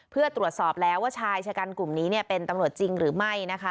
เพื่อตรวจสอบแล้วว่าชายชะกันกลุ่มนี้เป็นตำรวจจริงหรือไม่นะคะ